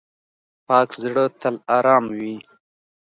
پاک زړه تل آرام وي.